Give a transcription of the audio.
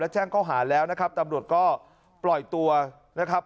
แจ้งข้อหาแล้วนะครับตำรวจก็ปล่อยตัวนะครับ